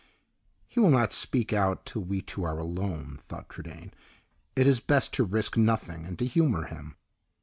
"He will not speak out till we two are alone," thought Trudaine. "It is best to risk nothing, and to humor him."